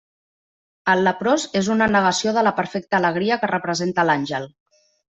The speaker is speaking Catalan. El leprós és una negació de la perfecta alegria que representa l'àngel.